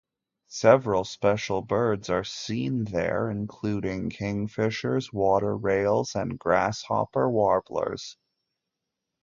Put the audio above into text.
Several special birds are seen there, including: kingfishers, water rails, and grasshopper warblers.